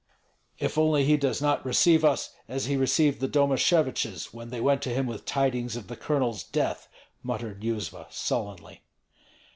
"If only he does not receive us as he received the Domasheviches when they went to him with tidings of the colonel's death," muttered Yuzva, sullenly.